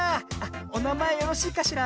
おなまえよろしいかしら？